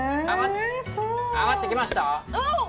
上がってきました？